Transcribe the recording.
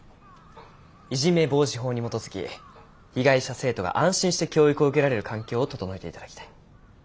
いじめ防止法に基づき被害者生徒が安心して教育を受けられる環境を整えて頂きたい。